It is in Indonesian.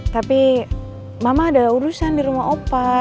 tapi mama ada urusan di rumah opa